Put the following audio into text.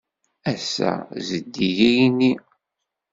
Ass-a, zeddig yigenni.